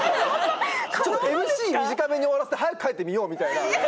ちょっとＭＣ短めに終わらせて早く帰って見ようみたいな。